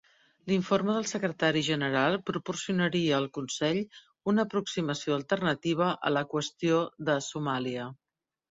L'informe del Secretari General proporcionaria al Consell una aproximació alternativa a la qüestió de Somàlia.